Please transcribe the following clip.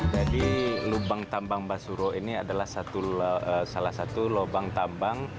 jadi lubang tambang basuro ini adalah salah satu lubang tambang